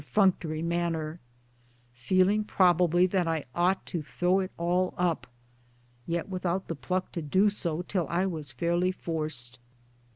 67, functory manner feeling probably, that I ought to throw it all up, yet without the pluck to do so till I was fairly forced.